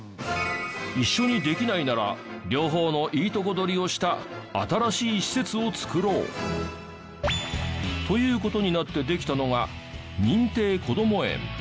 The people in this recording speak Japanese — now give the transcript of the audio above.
一緒にできないなら両方のいいとこ取りをした新しい施設を作ろう。という事になってできたのが認定こども園。